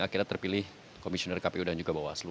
akhirnya terpilih komisioner kpu dan juga bawaslu